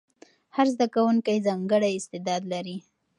هر زده کوونکی ځانګړی استعداد لري.